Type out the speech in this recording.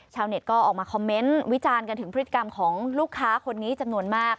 ชาวเน็ตก็ออกมาคอมเมนต์วิจารณ์กันถึงพฤติกรรมของลูกค้าคนนี้จำนวนมาก